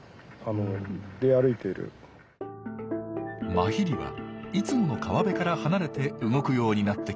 マヒリはいつもの川辺から離れて動くようになってきました。